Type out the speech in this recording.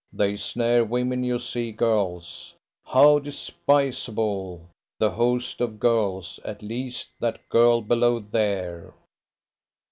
They snare women, you see girls! How despicable the host of girls! at least, that girl below there!